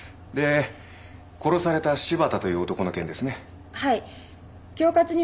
で殺された柴田という男の件ですね。